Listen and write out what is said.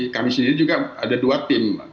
kami sendiri juga ada dua tim